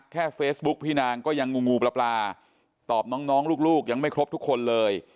แค่เฟซบุ๊กพี่นางก็ยังงูปลาตอบน้องลูกยังไม่ครบทุกคนเลย